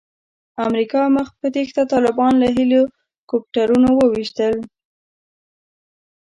امریکا مخ په تېښته طالبان له هیلي کوپټرونو وویشتل.